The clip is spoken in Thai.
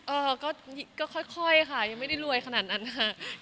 เออก็ค่อยค่ะยังไม่ได้รวยขนาดนั้นค่ะ